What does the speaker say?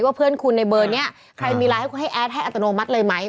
เพื่อนคุณในเบอร์นี้ใครมีไลน์ให้คุณให้แอดให้อัตโนมัติเลยไหม